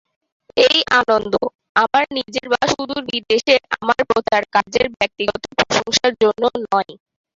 এই আনন্দ, আমার নিজের বা সুদূর বিদেশে আমার প্রচারকার্যের ব্যক্তিগত প্রশংসার জন্য নয়।